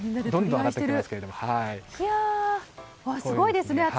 すごいですね！